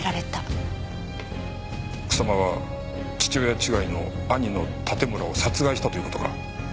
草間は父親違いの兄の盾村を殺害したという事か？